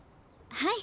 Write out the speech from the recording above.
はい。